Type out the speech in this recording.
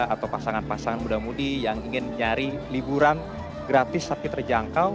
atau pasangan pasangan muda mudi yang ingin nyari liburan gratis tapi terjangkau